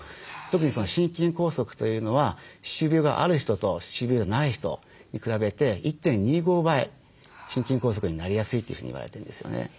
特にその心筋梗塞というのは歯周病がある人と歯周病がない人に比べて１．２５倍心筋梗塞になりやすいというふうに言われてるんですよね。